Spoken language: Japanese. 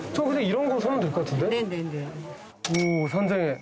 ３，０００円。